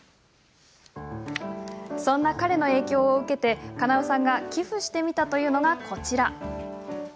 そんな彼の影響を受けて叶さんが寄付してみたというのがこちら。